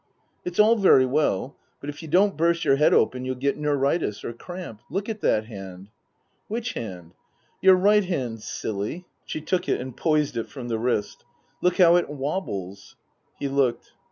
" It's all very well; but if you don't burst your head open you'll get neuritis, or cramp. Look at that hand." " Which hand ?"" Your right hand, silly." She took it and poised it from the wrist. " Look how it wobbles." He looked.